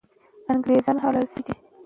انګریزان حلال سوي دي.